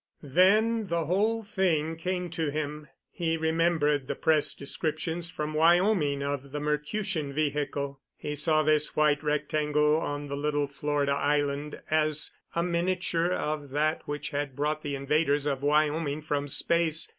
Then the whole thing came to him. He remembered the press descriptions from Wyoming of the Mercutian vehicle. He saw this white rectangle on the little Florida island as a miniature of that which had brought the invaders of Wyoming from space.